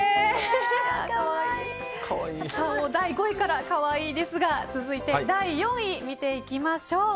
第５位から可愛いですが続いて第４位、見ていきましょう。